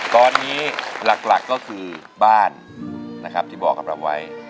ตอนนี้หลักก็คือบ้านนะครับที่บอกกับเราไว้